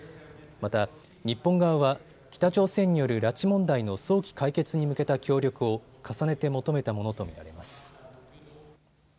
また日本側は北朝鮮による拉致問題の早期解決に向けた協力を重ねて求めたものと見られます。